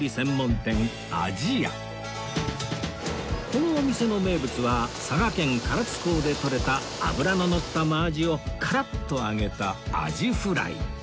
このお店の名物は佐賀県唐津港でとれた脂の乗った真鰺をカラッと揚げたアジフライ